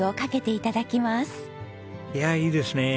いやいいですねえ。